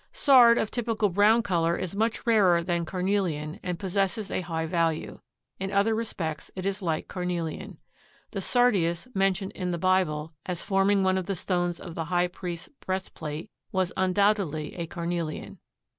Sard of typical brown color is much rarer than carnelian and possesses a high value. In other respects it is like carnelian. The sardius mentioned in the Bible as forming one of the stones of the High Priest's breastplate was undoubtedly a carnelian.